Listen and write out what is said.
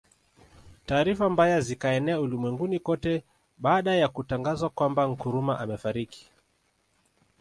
Taarifa mbaya zikaenea ulimwenguni kote baada ya Kutangazwa Kwame Nkrumah Amefariki